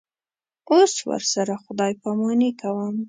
اوس ورسره خدای پاماني کوم.